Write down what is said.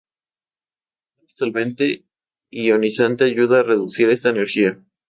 Un disolvente ionizante ayuda a reducir esta energía.